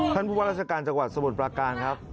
ท่านผู้บังคับการจังหวัดสมุทรปราการครับ